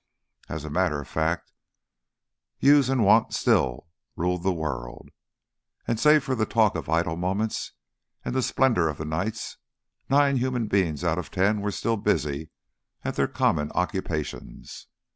As a matter of fact, use and wont still ruled the world, and save for the talk of idle moments and the splendour of the night, nine human beings out of ten were still busy at their common occupations.